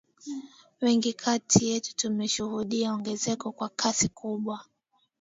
wengi kati yetu tumeshuhudia ongezeko kwa kasi kubwa